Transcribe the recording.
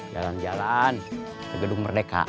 jalan jalan ke gedung merdeka